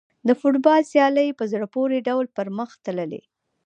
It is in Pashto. د فوټبال سیالۍ په زړه پورې ډول پرمخ تللې.